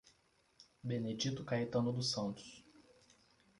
Benedito Caetano dos Santos